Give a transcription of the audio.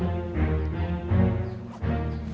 bukan tau sih